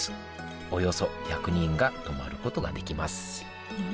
およそ１００人が泊まることができます